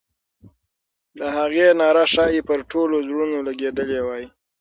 د هغې ناره ښایي پر ټولو زړونو لګېدلې وای.